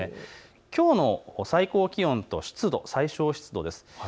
きょうの最高気温と最小湿度です。